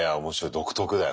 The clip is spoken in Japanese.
独特だよ。